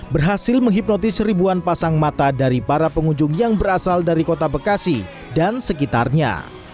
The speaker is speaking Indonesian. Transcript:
berhasil menghipnotis ribuan pasang mata dari para pengunjung yang berasal dari kota bekasi dan sekitarnya